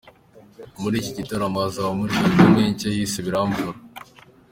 Muri iki gitaramo azaba amurika album ye nshya yise 'Biramvura'.